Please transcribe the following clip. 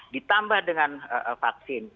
ditambah dengan vaksin